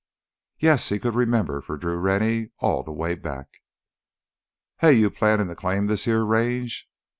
Yes, he could remember for Drew Rennie all the way back. "Hey, you plannin' to claim this here range?"